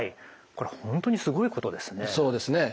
これは本当にすごいことですよねえ。